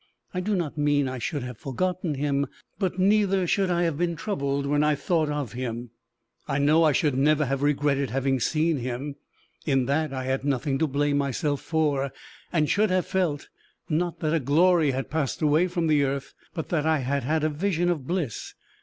I do not mean I should have forgotten him, but neither should I have been troubled when I thought of him. I know I should never have regretted having seen him. In that, I had nothing to blame myself for, and should have felt not that a glory had passed away from the earth, but that I had had a vision of bliss.